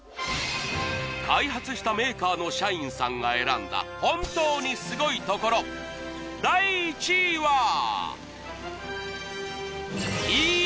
開発したメーカーの社員さんが選んだ本当にスゴいところ第１位は！